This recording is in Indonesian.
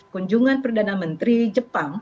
kunjungan perdana menteri jepang